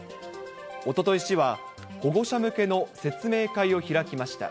おととい、市は保護者向けの説明会を開きました。